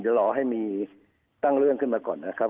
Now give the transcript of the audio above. เดี๋ยวรอให้มีตั้งเรื่องขึ้นมาก่อนนะครับ